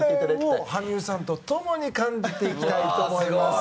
それを羽生さんと共に感じていきたいと思います。